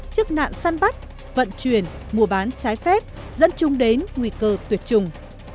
chức nạn săn bắt vận chuyển mua bán trái phép dẫn chúng đến nguy cơ tuyệt trùng